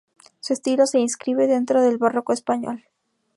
Su estilo se inscribe dentro del barroco español.